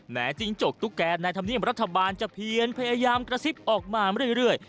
จิ้งจกตุ๊กแกในธรรมเนียมรัฐบาลจะเพียนพยายามกระซิบออกมาเรื่อย